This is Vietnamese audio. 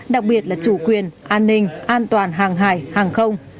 đặc biệt là chủ quyền an ninh an toàn hàng hải hàng không